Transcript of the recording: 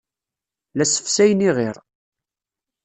La ssefsayen iɣir.